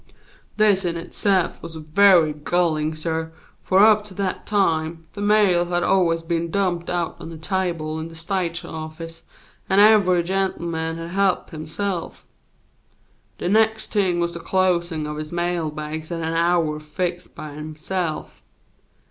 This in itself was vehy gallin', suh, for up to that time the mail had always been dumped out on the table in the stage office and every gentleman had he'ped himself. The next thing was the closin' of his mail bags at a' hour fixed by himself.